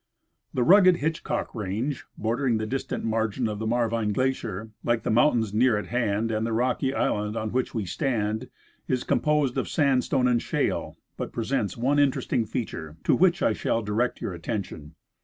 ', The rugged Hitchcock range bordering the distant margin of the Marvine glacier, like the mountains near at hand and the rocky island on which we stand, is composed of sandstone and shale, but presents one interesting feature, to which I shall direct your attention.